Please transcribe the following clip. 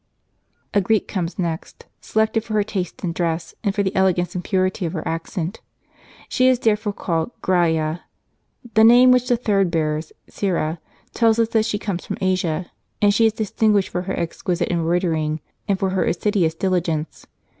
A Greek comes next, selected for her taste in dress, and for the elegance and purity of her accent ; she is therefore called Graia. The name which the third bears, Syra, tells us that she comes from Asia; and she is distinguished for her exquisite embroidering, and for her assiduous diligence.